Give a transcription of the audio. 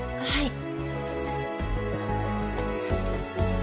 はい。